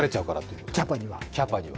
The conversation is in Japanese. キャパには。